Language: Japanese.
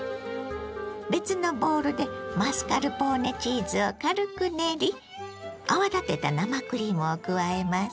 別のボウルでマスカルポーネチーズを軽く練り泡立てた生クリームを加えます。